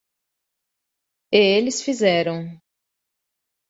E eles fizeram.